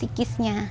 yang juga sikisnya